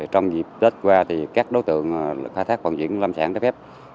trong dịp tết qua thì các đối tượng khai thác vận chuyển lâm sản trái phép